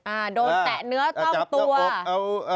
อ่าโดนแตะเนื้อต้องตัวเอา